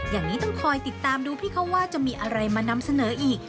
อย่างนี้ต้องคอยติดตามดูพี่เขาว่าจะมีอะไรมานำเสนออีก